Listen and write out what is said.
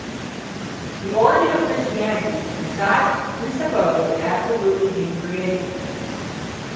The origin of Christianity does not presuppose an absolutely new creation.